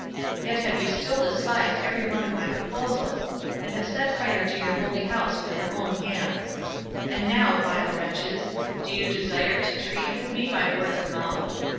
Yet have you still despised every one of my proposals, and have set fire to your holy house with your own hands. And now, vile wretches, do you desire to treat with me by word of mouth?